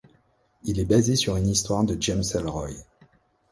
Il est basé sur une histoire de James Ellroy.